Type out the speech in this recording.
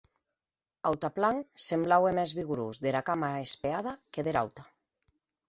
Autanplan semblaue mès vigorós dera cama espeada que dera auta.